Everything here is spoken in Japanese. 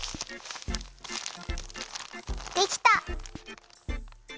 できた！